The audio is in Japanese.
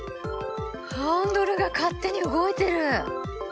ハンドルが勝手に動いてる！